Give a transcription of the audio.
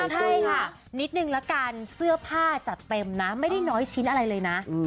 ใช่ค่ะนิดนึงละกันเสื้อผ้าจัดเต็มนะไม่ได้น้อยชิ้นอะไรเลยนะ